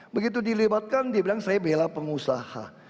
begitu dilibatkan dia bilang saya bela pengusaha